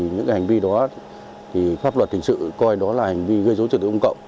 những hành vi đó pháp luật hình sự coi đó là hành vi gây dối trật tự công cộng